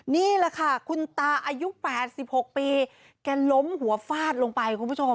นี่แหละค่ะคุณตาอายุ๘๖ปีแกล้มหัวฟาดลงไปคุณผู้ชม